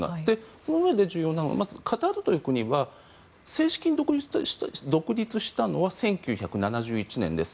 そのうえで重要なのがまずカタールという国は正式に独立したのは１９７１年です。